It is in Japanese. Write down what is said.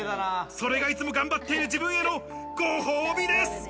それが、いつも頑張っている自分へのご褒美です。